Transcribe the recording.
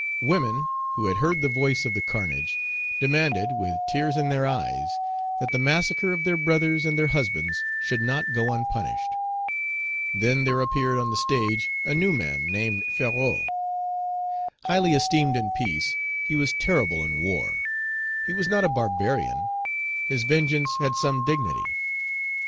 Women, who had heard the voice of the carnage, demanded, with tears in their eyes, that the massacre of their brothers and their husbands should not go unpunished. Then there appeared on the stage a new man named Ferrou. Highly esteemed in peace, he was terrible in war. He was not a barbarian; his vengeance had some dignity.